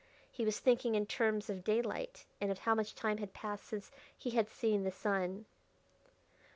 He was thinking in terms of daylight, and of how much time had passed since he had seen the sun....